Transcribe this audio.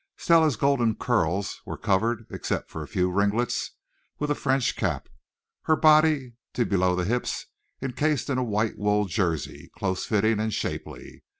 Stella's golden curls were covered, except for a few ringlets, with a French cap; her body, to below the hips, encased in a white wool Jersey, close fitting and shapely.